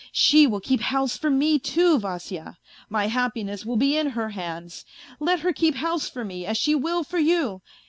She will keep house for me too, Vasya; my happiness will be in her hands. Let her keep house for me as she will for you.